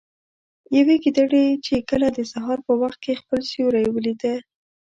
يوې ګيدړې چې کله د سهار په وخت كې خپل سيورى وليده